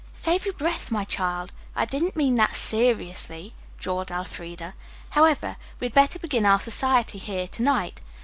"Save your breath, my child, I didn't mean that seriously," drawled Elfreda. "However, we had better begin our society here, to night.